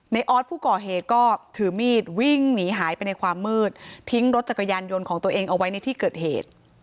ออสผู้ก่อเหตุก็ถือมีดวิ่งหนีหายไปในความมืดทิ้งรถจักรยานยนต์ของตัวเองเอาไว้ในที่เกิดเหตุ